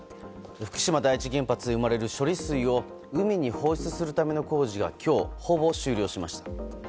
福島第一原発で生まれる処理水を海に放出するための工事が今日、ほぼ終了しました。